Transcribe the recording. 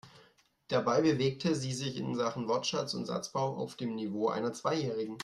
Dabei bewegte sie sich in Sachen Wortschatz und Satzbau auf dem Niveau einer Zweijährigen.